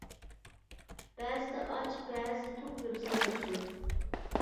بەزىدە ئاچ، بەزىدە توق يۈرىسەن، -دەپتۇ.